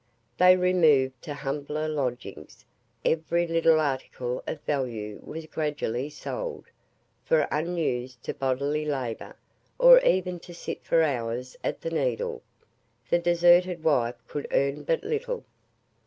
They removed to humbler lodgings, every little article of value was gradually sold, for, unused to bodily labour, or even to sit for hours at the needle, the deserted wife could earn but little.